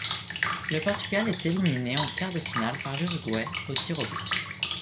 Le Portugal est éliminé en quart de finale par l'Uruguay aux tirs au but.